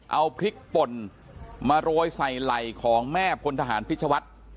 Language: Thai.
เอาพริกป่นมาโรยใส่ไหล่ของแม่พลทหารพิชวัฒน์